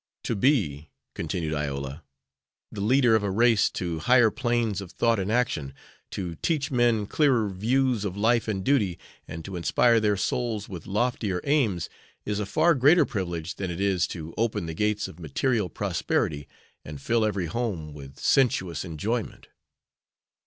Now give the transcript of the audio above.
"To be," continued Iola, "the leader of a race to higher planes of thought and action, to teach men clearer views of life and duty, and to inspire their souls with loftier aims, is a far greater privilege than it is to open the gates of material prosperity and fill every home with sensuous enjoyment."